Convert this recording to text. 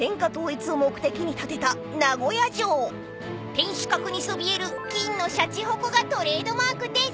［天守閣にそびえる金のしゃちほこがトレードマークです。